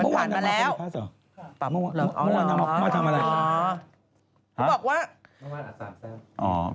เมื่อวานทำอะไร